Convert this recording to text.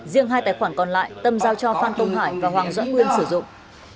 riêng hai tài khoản còn lại tâm giao cho phan công hải và hoàng doãn nguyên sử dụng